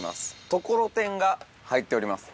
ところてんが入っております。